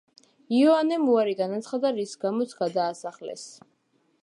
იოანემ უარი განაცხადა, რის გამოც გადაასახლეს.